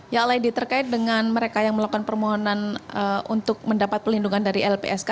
ya lady terkait dengan mereka yang melakukan permohonan untuk mendapat pelindungan dari lpsk